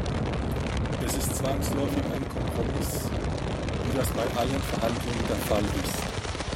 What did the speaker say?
Er ist zwangsläufig ein Kompromiss, wie das bei allen Verhandlungen der Fall ist.